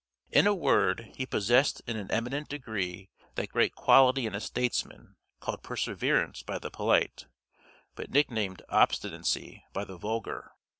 In a word, he possessed in an eminent degree that great quality in a statesman, called perseverance by the polite, but nicknamed obstinacy by the vulgar.